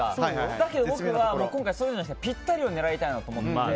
だけど僕は今回そうではなくてぴったりを狙いたいと思って。